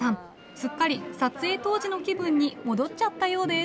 すっかり撮影当時の気分に戻っちゃったようです。